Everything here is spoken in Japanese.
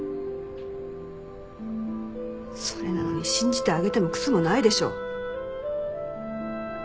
それなのに信じてあげてもクソもないでしょ。